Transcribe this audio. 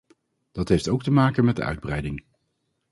Dat heeft ook te maken met de uitbreiding.